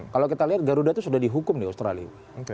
kalau kita lihat garuda itu sudah dihukum di australia